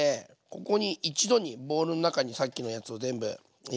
ここに一度にボウルの中にさっきのやつを全部入れていきます。